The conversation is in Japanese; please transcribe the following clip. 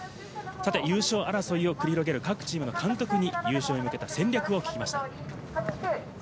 優勝争いを繰り広げる各チームの監督に優勝に向けた戦略を聞きました。